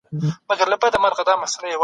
سوله ژوند او پرمختګ دی.